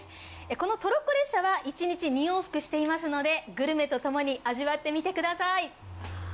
このトロッコ列車は一日２往復していますので、グルメとともに味わってみてください。